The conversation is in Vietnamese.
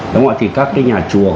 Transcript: đúng rồi thì các nhà chùa